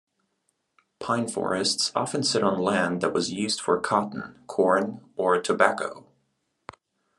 Pine forests often sit on land that was used for cotton, corn or tobacco.